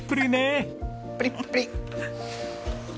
プリップリ。